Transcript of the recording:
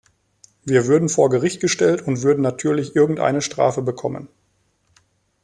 Wir würden vor Gericht gestellt und würden natürlich irgendeine Strafe bekommen.